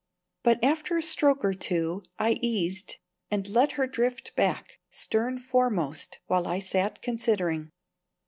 But after a stroke or two I easied and let her drift back stern foremost while I sat considering.